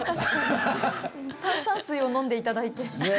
炭酸水を飲んでいただいて。